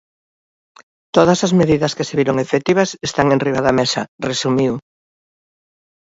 Todas as medidas que se viron efectivas están enriba da mesa, resumiu.